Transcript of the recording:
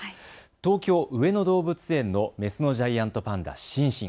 東京上野動物園のメスのジャイアントパンダ、シンシン。